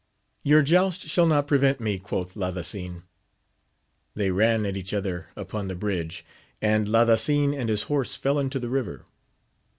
Tour joust shall not prevent me, quoth Ladasin. They ran at each ^ther upon the bridge, and Ladasin and his horse fell into the liver.